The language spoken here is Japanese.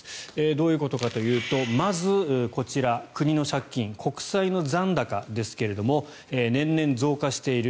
どういうことかというとまず、こちら国の借金・国債の残高ですが年々、増加している。